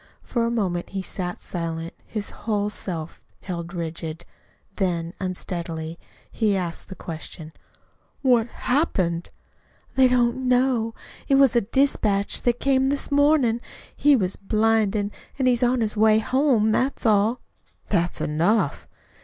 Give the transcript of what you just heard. For a moment he sat silent, his whole self held rigid. Then, unsteadily he asked the question: "What happened?" "They don't know. It was a dispatch that came this mornin'. He was blinded, an' is on his way home. That's all." "That's enough."